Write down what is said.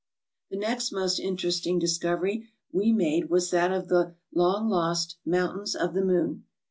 The next most interesting discovery we made was that of the long lost Mountains of the Moon.